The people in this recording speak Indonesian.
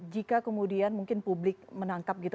jika kemudian mungkin publik menangkap gitu